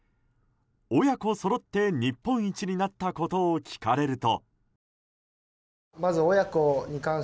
親子そろって日本一になったことを聞かれると。